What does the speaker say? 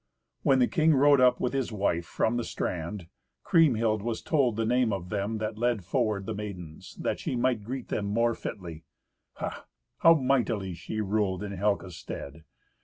When the king rode up with his wife from the strand, Kriemhild was told the name of them that led forward the maidens, that she might greet them the more fitly. Ha! how mightily she ruled in Helca's stead!